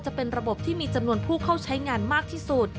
จะเป็นระบบที่มีจำนวนผู้เข้าใช้งานมากที่สุด